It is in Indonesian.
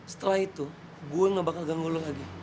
setelah itu gue gak bakal ganggu lo lagi